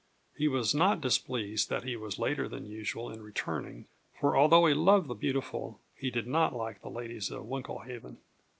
He was not displeased that he was later than usual in returning; for although he loved the beautiful, he did not like the ladies of Winklehaven.